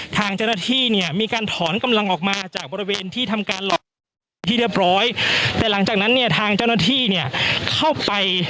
ทางเจ้าหน้าที่เนี่ยมีการถอนกำลังออกมาจากบริเวณที่ทำการหลอกเป็นที่เรียบร้อยแต่หลังจากนั้นเนี่ยทางเจ้าหน้าที่เนี่ยเข้าไป